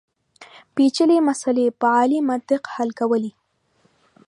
پېچلې مسلې په عالي منطق حل کولې.